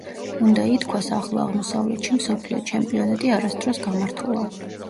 უნდა ითქვას, ახლო აღმოსავლეთში მსოფლიო ჩემპიონატი არასდროს გამართულა.